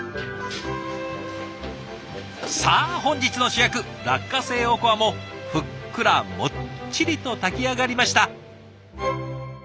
さあ本日の主役落花生おこわもふっくらもっちりと炊き上がりました。